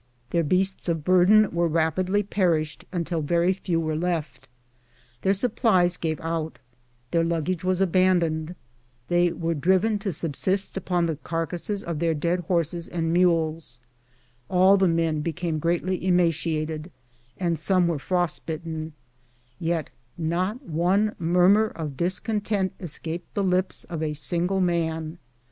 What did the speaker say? Their beasts of burden very rap idly perished until very few were left ; their supplies gave out; their luggage was abandoned; they were driven to subsist upon the carcasses of their dead horses and mules ; all the men became greatly emaciated ; some were frost bitten, yet not one murmur of discontent escaped the lips of a single man.